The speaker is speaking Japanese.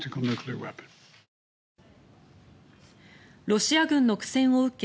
ロシア軍の苦戦を受け